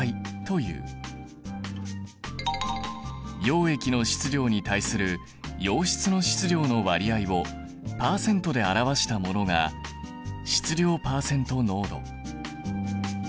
溶液の質量に対する溶質の質量の割合をパーセントで表したものが質量パーセント濃度。